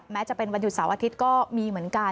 แม้จะเป็นวันหยุดเสาร์อาทิตย์ก็มีเหมือนกัน